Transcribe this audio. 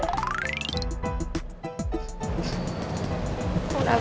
oh tak apa